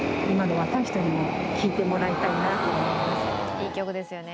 いい曲ですよね。